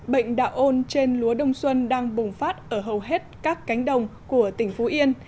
bệnh đạo ôn trên lúa đông xuân đang bùng phát ở hầu hết các cánh đồng của tỉnh phú yên